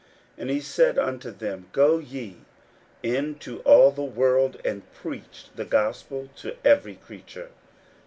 41:016:015 And he said unto them, Go ye into all the world, and preach the gospel to every creature.